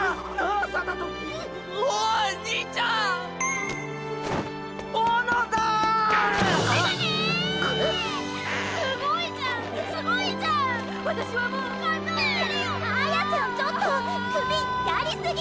あ綾ちゃんちょっと首やりすぎ！！